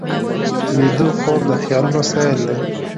ویده خوب د خیالونو سیل دی